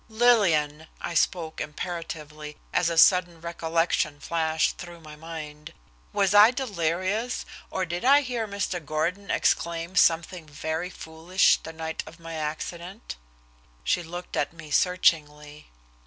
"Lillian!" I spoke imperatively, as a sudden recollection flashed through my mind. "Was I delirious, or did I hear Mr. Gordon exclaim something very foolish the night of my accident?" She looked at me searchingly.